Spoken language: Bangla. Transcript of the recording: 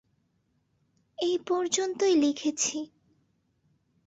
এই পর্যন্তই লিখেছি।